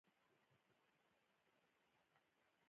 دا غرونه شنه دي.